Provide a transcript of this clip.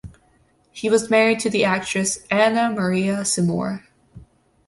He was married to the actress Anna Maria Seymour.